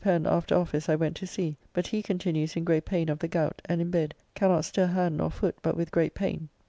Pen after office I went to see, but he continues in great pain of the gout and in bed, cannot stir hand nor foot but with great pain.